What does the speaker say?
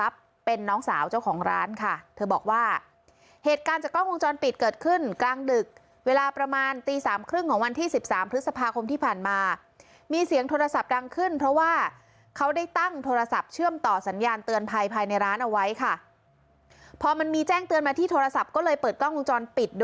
เป็นน้องสาวเจ้าของร้านค่ะเธอบอกว่าเหตุการณ์จากกล้องวงจรปิดเกิดขึ้นกลางดึกเวลาประมาณตีสามครึ่งของวันที่สิบสามพฤษภาคมที่ผ่านมามีเสียงโทรศัพท์ดังขึ้นเพราะว่าเขาได้ตั้งโทรศัพท์เชื่อมต่อสัญญาณเตือนภัยภายในร้านเอาไว้ค่ะพอมันมีแจ้งเตือนมาที่โทรศัพท์ก็เลยเปิดกล้องวงจรปิดด